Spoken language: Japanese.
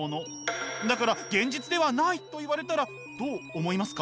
だから現実ではないと言われたらどう思いますか？